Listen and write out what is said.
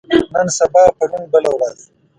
نن سبا پرون بله ورځ